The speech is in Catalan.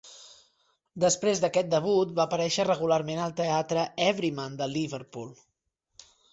Després d'aquest debut va aparèixer regularment al teatre Everyman de Liverpool.